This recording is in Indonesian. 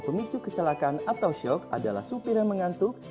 pemicu kecelakaan atau shock adalah supir yang mengantuk